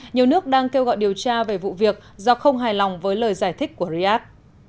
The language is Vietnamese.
nhiều nước đang kêu gọi điều tra về vụ việc do không hài lòng với lời giải thích của riad